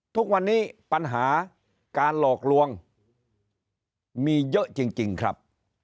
ทุกวันนี้ปัญหาการหลอกลวงมีเยอะจริงครับ